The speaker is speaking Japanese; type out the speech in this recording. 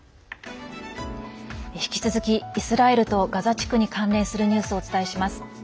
引き続き、イスラエルとガザ地区に関連するニュースをお伝えします。